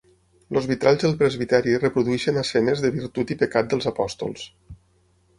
Els vitralls del presbiteri reprodueixen escenes de virtut i pecat dels apòstols.